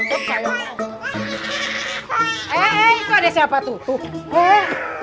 eh kok ada siapa tutup